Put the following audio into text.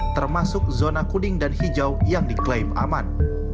termasuk zona kuning dan hijau yang diklaim aman